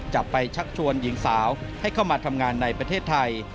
จะไปชักชวนหญิงสาวให้เข้ามาทำงานในประเทศไทย